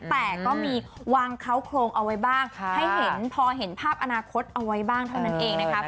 แต่ก็มีวางเขาโครงเอาไว้บ้างให้เห็นพอเห็นภาพอนาคตเอาไว้บ้างเท่านั้นเองนะครับ